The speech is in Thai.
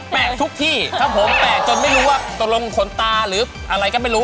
แปลกทุกที่ครับผมแตกจนไม่รู้ว่าตกลงขนตาหรืออะไรก็ไม่รู้